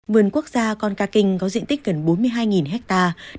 vườn quốc gia con ca kinh có diện tích gần bốn mươi hai hectare